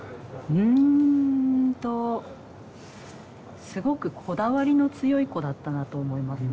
うんとすごくこだわりの強い子だったなと思いますね。